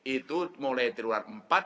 itu mulai di ruang empat